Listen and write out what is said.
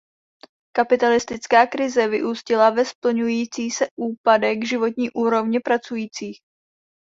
Kapitalistická krize vyústila ve stupňující se úpadek životní úrovně pracujících.